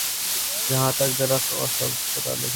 جہاں تک درخت اور سبزے کا تعلق ہے۔